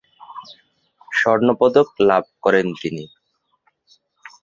স্বর্ণপদক লাভ করেন তিনি।